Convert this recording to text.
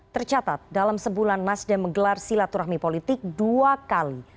tercatat dalam sebulan nasdem menggelar silaturahmi politik dua kali